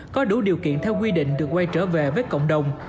có đủ điều kiện theo quy định được quay trở về với cộng đồng